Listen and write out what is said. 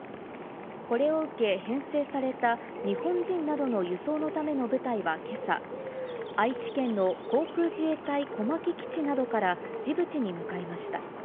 これを受け、編成された日本人などの輸送のための部隊は今朝、愛知県の航空自衛隊小牧基地などからジブチに向かいました。